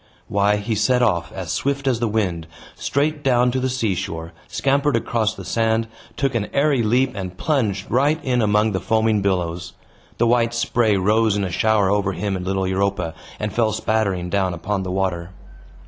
Why, he set off, as swift as the wind, straight down to the seashore, scampered across the sand, took an airy leap, and plunged right in among the foaming billows. The white spray rose in a shower over him and little Europa, and fell spattering down upon the water.